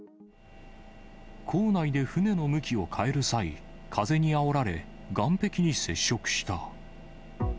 港内で船の向きを変える際、風にあおられ岸壁に接触した。